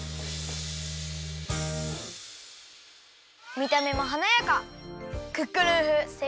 みためもはなやか！